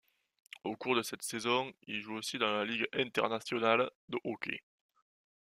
Au cours de cette saison, il joue aussi dans la Ligue internationale de hockey.